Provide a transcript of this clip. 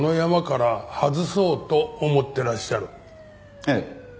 ええ。